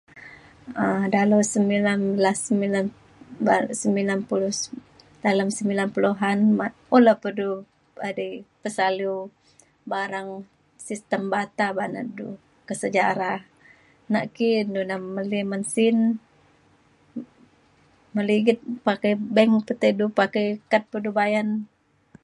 um] dalau sembilan belas sembilan ba- sembilan puluh s- dalem sembilan puluhan un lepa du edei pesaliu barang sistem barter ban na’at du kak sejarah. na ki na lu meli men sin me ligit pakai bank pe te du pakai kad pa du bayan.